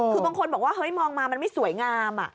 คือบางคนบอกว่าเฮ้ยมองมามันไม่สวยงาม